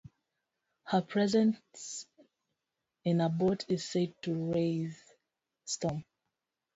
Her presence in a boat is said to raise storms.